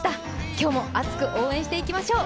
今日も熱く応援していきましょう。